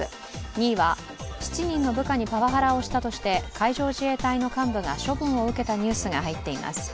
２位は、７人の部下にパワハラをしたとして海上自衛隊の幹部が処分を受けたニュースが入っています。